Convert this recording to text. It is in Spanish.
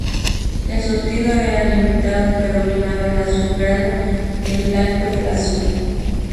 El surtido era limitado, predominaba el azulgrana y el blanco y azul.